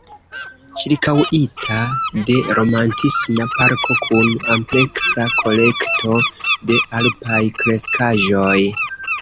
Ĉirkaŭita de romantisma parko kun ampleksa kolekto de alpaj kreskaĵoj.